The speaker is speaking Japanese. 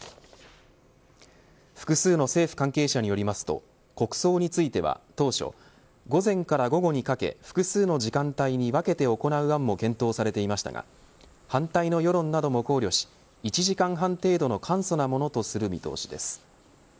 複数の政府関係者によりますと国葬については当初午前から午後にかけ複数の時間帯に分けて行う案も検討されていましたが反対の世論なども考慮し１時間半程度の簡素なものとする見通しです。